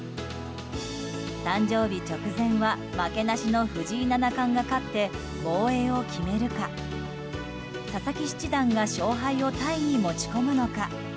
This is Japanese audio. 誕生日直前は負けなしの藤井七冠が勝って防衛を決めるか佐々木七段が勝敗をタイに持ち込むのか。